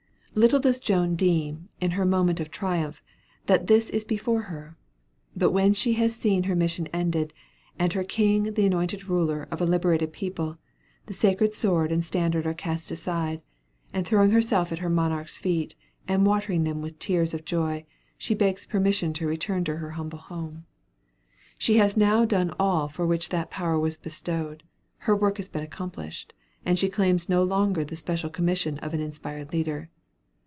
Little does Joan deem, in her moment of triumph, that this is before her; but when she has seen her mission ended, and her king the anointed ruler of a liberated people, the sacred sword and standard are cast aside; and throwing herself at her monarch's feet, and watering them with tears of joy, she begs permission to return to her humble home. She has now done all for which that power was bestowed; her work has been accomplished, and she claims no longer the special commission of an inspired leader.